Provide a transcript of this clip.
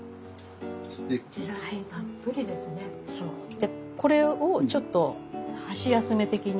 でこれをちょっと箸休め的に。